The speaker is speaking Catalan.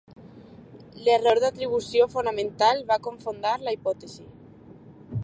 L'error d'atribució fonamental va cofundar la hipòtesi.